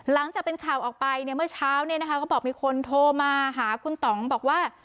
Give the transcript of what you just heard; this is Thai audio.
หลังจากเป็นข่าวออกไปเมื่อเช้าก็บอกมีคนโทรมาหาคุณต๋องบอกว่า